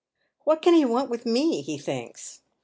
" What can he want with me ?" he thinks.